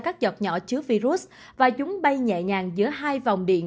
các giọt nhỏ chứa virus và chúng bay nhẹ nhàng giữa hai vòng điện